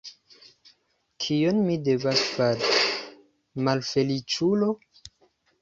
Kion mi devas fari, malfeliĉulo?